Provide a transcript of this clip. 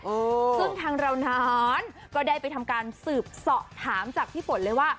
ซึ่งทางเรานั้นก็ได้ไปทำการสืบสอบถามจากพี่ฝนเลยว่า